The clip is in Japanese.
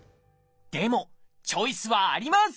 でもチョイスはあります！